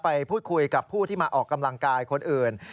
ไปพูดคุยกับผู้ที่มาออกกำลังกายคนอื่น